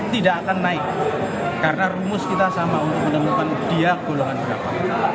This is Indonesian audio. tidak akan naik karena rumus kita sama untuk menemukan dia golongan berapa